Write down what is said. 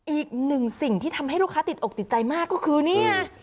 อีกหนึ่งสิ่งที่ทำให้ลูกค้าติดอกติดใจมากก็คือนี่ไง